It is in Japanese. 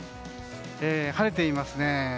晴れていますね。